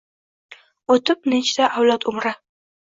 O’tib necha avlod umri